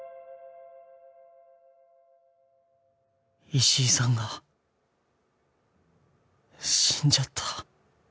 石井さんが死んじゃった